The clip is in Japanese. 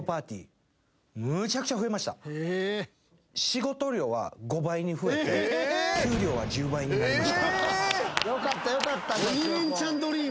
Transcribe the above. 仕事量は５倍に増えて給料は１０倍になりました。